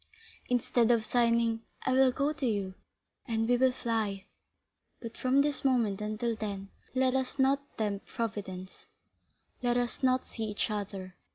"Instead of signing——" "I will go to you, and we will fly; but from this moment until then, let us not tempt Providence, let us not see each other.